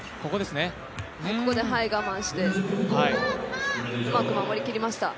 ここで我慢して、うまく守りきりました。